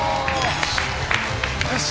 よし！